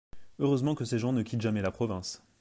Heureusement que ces gens ne quittent jamais la province !